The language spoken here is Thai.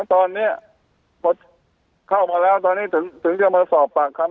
แล้วตอนเนี้ยเขามาแล้วตอนนี้ถึงถึงก็มาสอบปากคำ